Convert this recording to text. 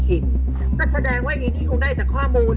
เพราะไม่มีวาสนาได้กินแกงส้มดีของคนไทยที่ปรุงอย่างถูกต้อง